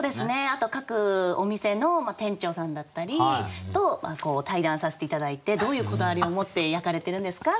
あと各お店の店長さんだったりと対談させて頂いて「どういうこだわりを持って焼かれてるんですか？」